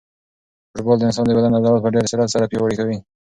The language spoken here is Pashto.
فوټبال د انسان د بدن عضلات په ډېر سرعت سره پیاوړي کوي.